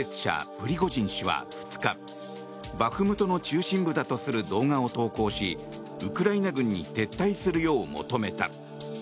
プリゴジン氏は２日バフムトの中心部だとする動画を投稿しウクライナ軍に撤退するよう求めた。